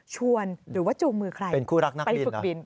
ชวนหรือว่าจูงมือใครไปฝึกบินเป็นคู่รักนักบิน